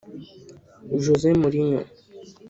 Jose Mourinho